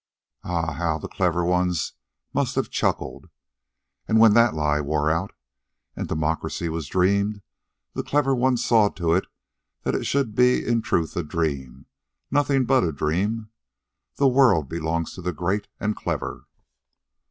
Ah, how the clever ones must have chuckled! And when that lie wore out, and democracy was dreamed, the clever ones saw to it that it should be in truth a dream, nothing but a dream. The world belongs to the great and clever."